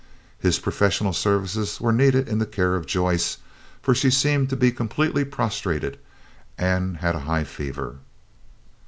His professional services were needed in the care of Joyce, for she seemed to be completely prostrated, and had a high fever.